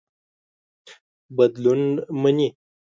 بدلون مني.